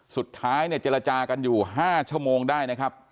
สุดท้ายเนี่ยเจรจากันอยู่๕ชั่วโมงได้นะครับ